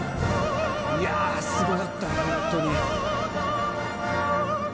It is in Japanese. いやぁスゴかった本当に。